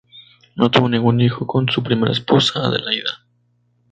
No tuvo ningún hijo con su primera esposa Adelaida.